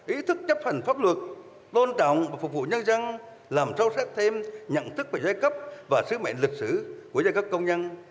ý thức chấp hành pháp luật tôn trọng và phục vụ nhân dân làm sâu sắc thêm nhận thức về giai cấp và sứ mệnh lịch sử của giai cấp công nhân